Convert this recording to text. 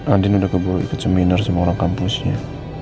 andin udah keburu ikut seminar sama orang kampusnya